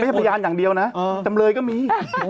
พยานอย่างเดียวนะจำเลยก็มี